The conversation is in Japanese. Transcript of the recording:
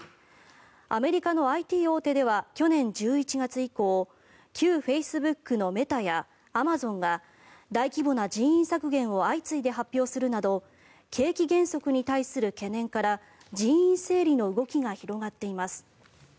アメリカのＩＴ大手では去年１１月以降旧フェイスブックのメタやアマゾンが大規模な人員削減を相次いで発表するなど景気減速に対する懸念から人員整理の動きが広がっています。